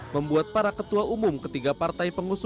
membuat para ketua umum ketiga partai pengusung